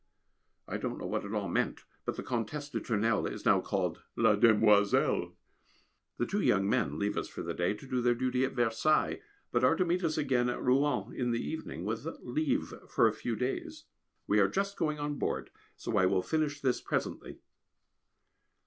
I don't know what it all meant, but the Comtesse de Tournelle is now called "la demoiselle!" The two young men leave us for the day, to do their duty at Versailles, but are to meet us again at Rouen in the evening, with leave for a few days. We are just going on board, so I will finish this presently.